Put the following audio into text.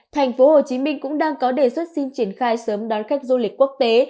tp hcm cũng đang có đề xuất xin triển khai sớm đón khách du lịch quốc tế